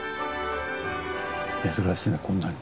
珍しいねこんなに。